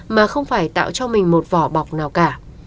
mà không phải tạo cho mình một vỏ bọc nào cả